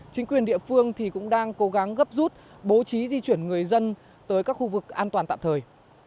chính quyền địa phương cũng đang cố gắng gấp rút bố trí di chuyển người dân tới các khu vực an toàn tạm thời